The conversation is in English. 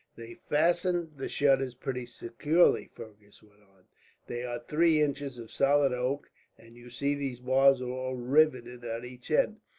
"They fasten the shutters pretty securely," Fergus went on. "They are three inches of solid oak, and you see these bars are all riveted at each end.